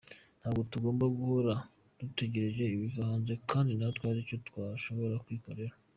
Ntabwo tugomba guhora dutegereje ibiva hanze kandi natwe hari icyo twashobora kwikorera".